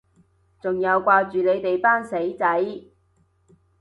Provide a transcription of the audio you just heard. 仲有掛住你哋班死仔